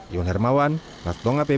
iwan hermawan rastonga pindadik